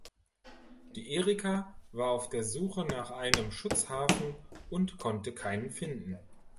Die Erika war auf der Suche nach einem Schutzhafen und konnte keinen finden.